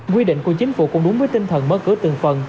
quy định của chính phủ cũng đúng với tinh thần mở cửa từng phần